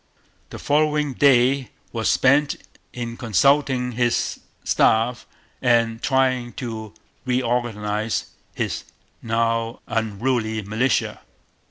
The following day was spent in consulting his staff and trying to reorganize his now unruly militia.